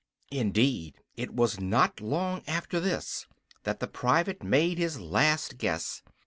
Indeed, it was not long after this that the private made his last guess.